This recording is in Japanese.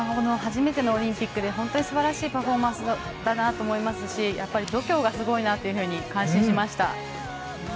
初めてのオリンピックで本当に素晴らしいパフォーマンスだなと思いますし度胸がすごいなと感心しました。